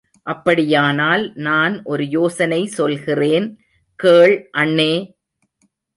அப்படியானால் நான் ஒரு யோசனை சொல்கிறேன், கேள் அண்ணே!